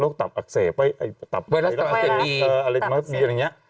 โรคตับอักเสบไวรัสตรวจอะไรแบบนี้